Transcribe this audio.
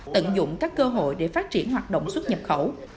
tận dụng các cơ hội để phát triển hoạt động xuất nhập khẩu